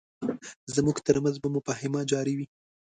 زموږ ترمنځ به مفاهمه جاري وي.